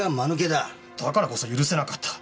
だからこそ許せなかった。